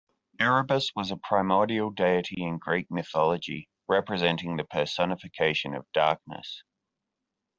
Erebus was a primordial deity in Greek mythology, representing the personification of darkness.